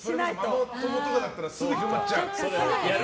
ママ友とかだったらすぐ広まっちゃう。